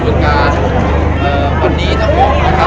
มุมการก็แจ้งแล้วเข้ากลับมานะครับ